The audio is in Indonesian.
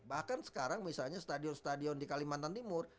bahkan sekarang misalnya stadion stadion di kalimantan timur